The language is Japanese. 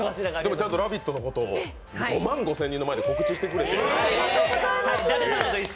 ちゃんと「ラヴィット！」のことも５万５０００人の前で告知してくれまして。